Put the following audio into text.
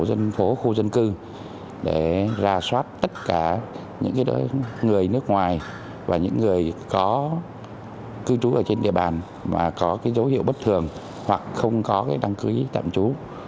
tổ dân phố khu dân cư để ra soát tất cả những người nước ngoài và những người có cư trú ở trên địa bàn mà có cái dấu hiệu bất thường hoặc không có cái đăng ký tạm trú